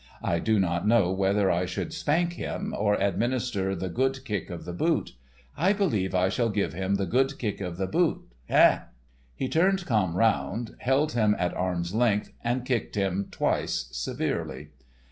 I do not know whether I should spank him or administer the good kick of the boot. I believe I shall give him the good kick of the boot. Hein!" He turned Camme around, held him at arm's length, and kicked him twice severely.